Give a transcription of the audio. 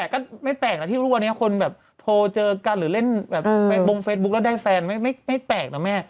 แต่ก็ไม่แปลกนะที่ทุกวันนี้คนแบบโทรเจอกันหรือเล่นแบบบงเฟซบุ๊คแล้วได้แฟนไม่แปลกนะแม่